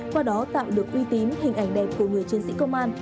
và đó tạo được uy tím hình ảnh đẹp của người chiến sĩ công an